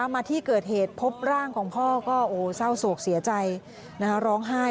มาที่เกิดเหตุพบร่างของพ่อก็เศร้าโศกเสียใจร้องไห้